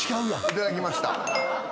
いただきました。